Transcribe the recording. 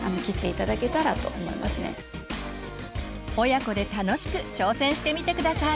親子で楽しく挑戦してみて下さい！